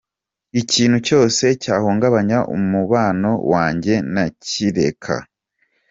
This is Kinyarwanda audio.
Ikintu cyose cyahungabanya umubano wanjye nakireka.